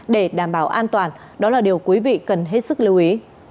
để đảm bảo an toàn đó là điều quý vị cần hết sức lưu ý